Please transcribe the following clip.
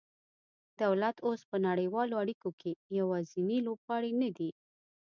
دولت اوس په نړیوالو اړیکو کې یوازینی لوبغاړی نه دی